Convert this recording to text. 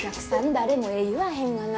誰もええ言わへんがな。